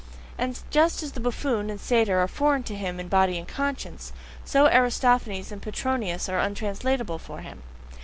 And just as the buffoon and satyr are foreign to him in body and conscience, so Aristophanes and Petronius are untranslatable for him.